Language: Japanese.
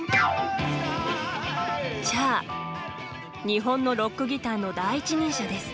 日本のロックギターの第一人者です